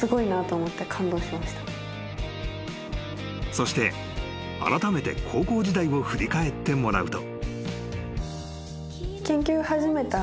［そしてあらためて高校時代を振り返ってもらうと］